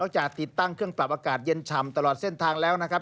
จะติดตั้งเครื่องปรับอากาศเย็นฉ่ำตลอดเส้นทางแล้วนะครับ